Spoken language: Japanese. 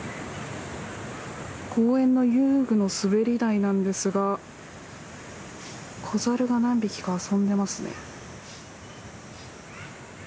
公園の遊具の滑り台なんですが子ザルが何匹が遊んでいますね。